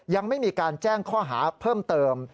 ยังไม่มีการแจ้งข้อหาเพิ่มเติม